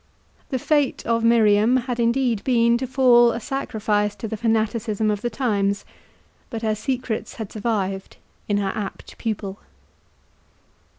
The fate of Miriam had indeed been to fall a sacrifice to the fanaticism of the times; but her secrets had survived in her apt pupil.